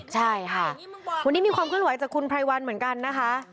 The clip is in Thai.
ใช่ค่ะวันนี้มีความเคลื่อนไหวจากคุณไพรวันเหมือนกันนะคะ